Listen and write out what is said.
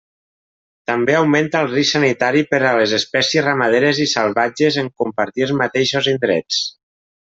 També augmenta el risc sanitari per a les espècies ramaderes i salvatges en compartir els mateixos indrets.